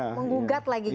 menggugat lagi gitu